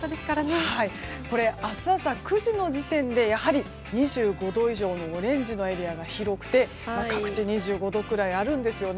これ、明日朝９時の時点でやはり２５度以上のオレンジのエリアが広くて各地２５度くらいあるんですね。